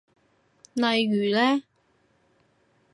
例如呢？